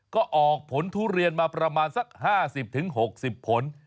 ก็ออกผลทุเรียนมาประมาณสัก๕๐๖๐ผล